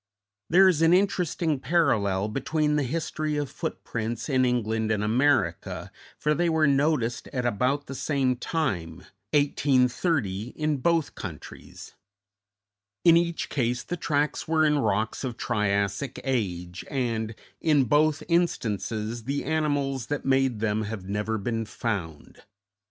There is an interesting parallel between the history of footprints in England and America, for they were noticed at about the same time, 1830, in both countries; in each case the tracks were in rocks of Triassic age, and, in both instances, the animals that made them have never been found.